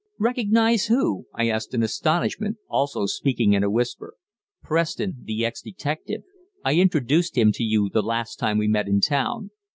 "Recognize whom?" I asked in astonishment, also speaking in a whisper. "Preston, the ex detective. I introduced him to you the last time we met in town."